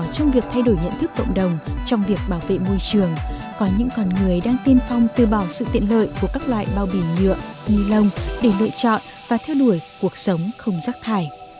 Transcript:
trong việc thay đổi nhận thức cộng đồng trong việc bảo vệ môi trường có những con người đang tiên phong từ bỏ sự tiện lợi của các loại bao bì nhựa ni lông để lựa chọn và theo đuổi cuộc sống không rác thải